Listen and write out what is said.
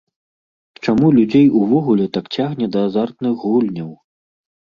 Чаму людзей увогуле так цягне да азартных гульняў?